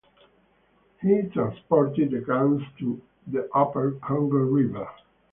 He transported the guns to the upper Congo River.